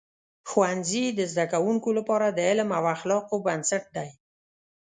ښوونځي د زده کوونکو لپاره د علم او اخلاقو بنسټ دی.